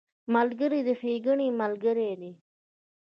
ملګری د ښېګڼې ملګری دی